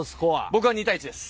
僕は２対１です。